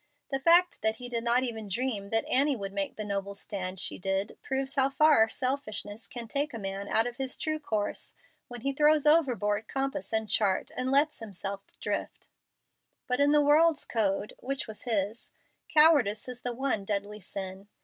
The fact that he did not even dream that Annie would make the noble stand she did proves how far selfishness can take a man out of his true course when he throws overboard compass and chart and lets himself drift. But in the world's code (which was his) cowardice is the one deadly sin.